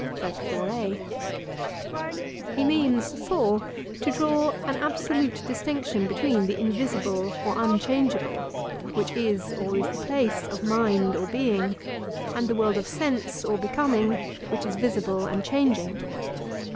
He means (4) to draw an absolute distinction between the invisible or unchangeable which is or is the place of mind or being, and the world of sense or becoming which is visible and changing.